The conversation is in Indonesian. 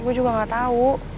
gue juga gak tau